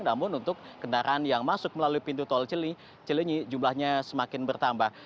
namun untuk kendaraan yang masuk melalui pintu tol cilenyi jumlahnya semakin bertambah